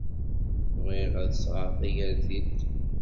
Bɣiɣ ad d-sɣeɣ tagertilt.